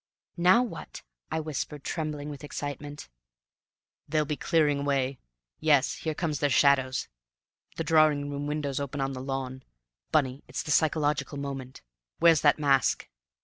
"Now what?" I whispered, trembling with excitement. "They'll be clearing away. Yes, here come their shadows. The drawing room windows open on the lawn. Bunny, it's the psychological moment. Where's that mask?"